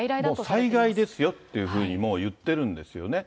災害ですよっていうふうに、もう言ってるんですよね。